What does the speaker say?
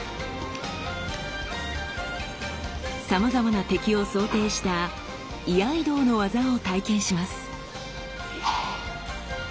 さまざまな敵を想定した居合道の技を体験します。